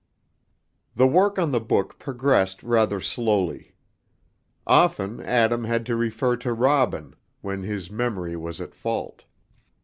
The work on the book progressed rather slowly. Often Adam had to refer to Robin when his memory was at fault.